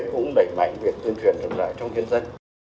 cũng đẩy mạnh việc tuyên truyền được lại trong hiện dân